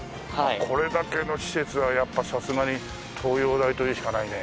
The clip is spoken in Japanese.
これだけの施設はやっぱさすがに東洋大と言うしかないね。